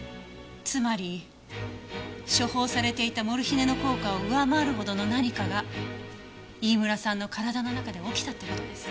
つまり処方されていたモルヒネの効果を上回るほどの何かが飯村さんの体の中で起きたって事です。